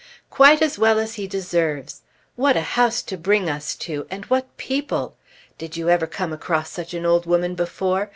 "Quite as well as he deserves! What a house to bring us to; and what people! Did you ever come across such an old woman before!